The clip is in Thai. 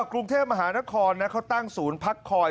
กรุงเทพมหานครเขาตั้งศูนย์พักคอย